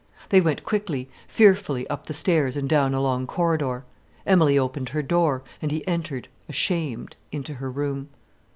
They went quickly, fearfully up the stairs and down a long corridor. Emilie opened her door, and he entered, ashamed, into her room.